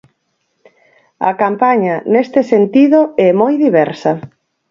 A campaña, neste sentido, é moi diversa.